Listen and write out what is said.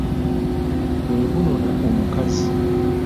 Gwe gunona omukazi.